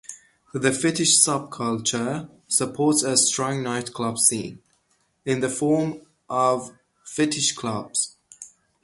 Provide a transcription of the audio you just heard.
The fetish subculture supports a strong nightclub scene, in the form of fetish clubs.